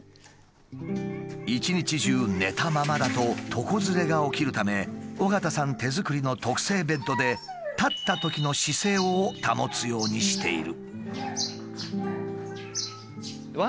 一日中寝たままだと床ずれが起きるため緒方さん手作りの特製ベッドで立ったときの姿勢を保つようにしている。